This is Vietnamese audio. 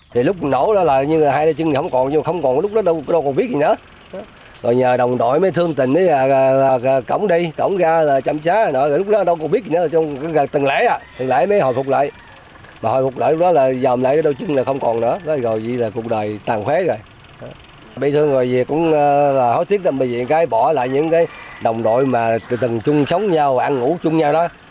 thì lúc nổ đó là như là hai đôi chân thì không còn nhưng mà không còn lúc đó đâu còn biết gì nữa